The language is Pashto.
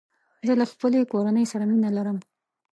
زه له خپلې کورني سره مینه لرم.